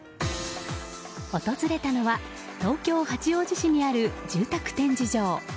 訪れたのは東京・八王子市にある住宅展示場。